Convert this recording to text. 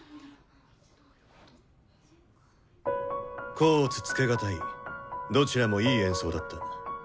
甲乙つけがたいどちらもいい演奏だった。